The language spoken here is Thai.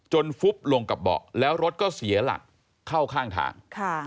ฟุบลงกับเบาะแล้วรถก็เสียหลักเข้าข้างทาง